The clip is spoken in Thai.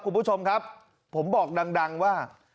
คุณผู้ชมครับผมบอกดังว่า